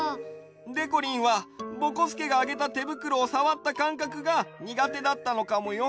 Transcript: でこりんはぼこすけがあげたてぶくろをさわったかんかくがにがてだったのかもよ。